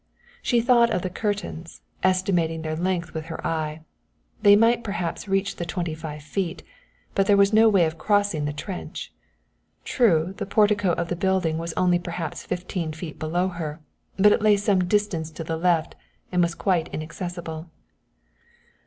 She thought of the curtains, estimating their length with her eye; they might perhaps reach the twenty five feet, but there was no way of crossing the trench. True, the portico of the building was only perhaps fifteen feet below her, but it lay some distance to the left and was quite inaccessible.